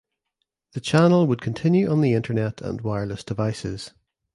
The channel would continue on the internet and wireless devices.